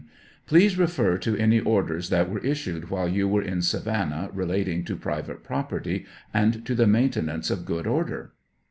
Please refer to any orders that were issued while you were in Savannah relating to private property, and to the maintenance of good order